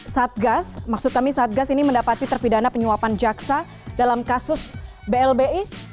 satgas maksud kami satgas ini mendapati terpidana penyuapan jaksa dalam kasus blbi